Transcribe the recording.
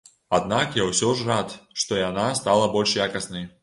Аднак я ўсё ж рад, што яна стала больш якаснай.